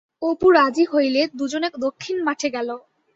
অপু রাজি হইলে দুজনে দক্ষিণ মাঠে গেল।